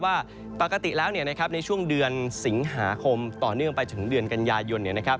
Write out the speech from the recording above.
ว่าปกติแล้วในช่วงเดือนสิงหาคมต่อเนื่องไปถึงเดือนกันยายน